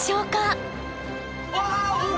ああ！